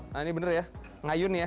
nah ini bener ya ngayun ya